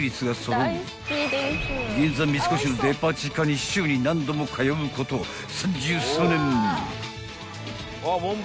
銀座三越のデパ地下に週に何度も通うこと三十数年］